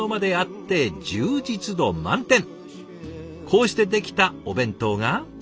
こうして出来たお弁当が。